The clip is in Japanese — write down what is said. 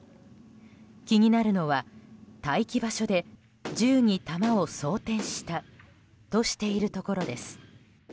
気になるのは、待機場所で銃に弾を装填したとしているところです。